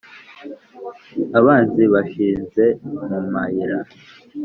Abanzi bashinze mu mayira.